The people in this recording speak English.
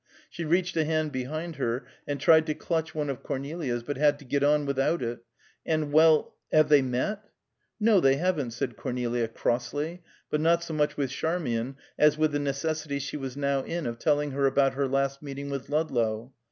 She reached a hand behind her and tried to clutch one of Cornelia's but had to get on without it. "And well: have they met?" "No, they haven't," said Cornelia crossly, but not so much with Charmian as with the necessity she was now in of telling her about her last meeting with Ludlow.